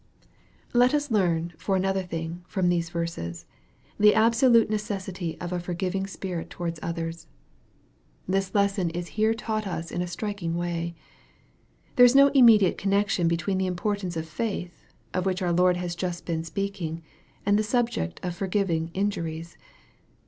Let us learn, for another thing, from these verses, the absolute necessity of a forgiving spirit towards others. This lesson is here taught us in a striking way. There is no immediate connection between the importance of faith, of which our Lord had just been speaking, and the subject jf forgiving injuries.